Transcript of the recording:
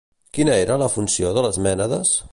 Quina era la funció de les mènades?